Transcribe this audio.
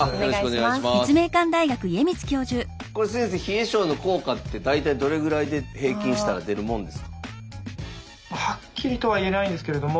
これ先生冷え症の効果って大体どれくらいで平均したら出るもんですか？